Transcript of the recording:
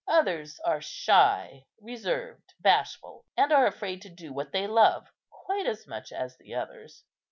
Others are shy, reserved, bashful, and are afraid to do what they love quite as much as the others.